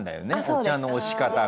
お茶の推し方が。